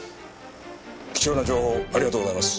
貴重な情報ありがとうございます。